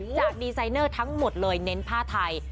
จะดีไซเนอร์ทั้งหมดเลยเน้นผ้าไทย